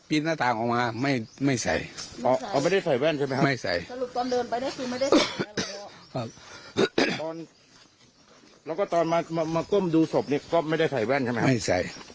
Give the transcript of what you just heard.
พอพื้นเหนื่อย